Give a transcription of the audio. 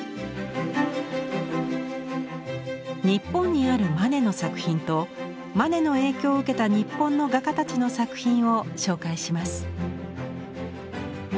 日本にあるマネの作品とマネの影響を受けた日本の画家たちの作品を紹介します。